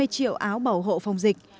năm mươi triệu áo bảo hộ phòng dịch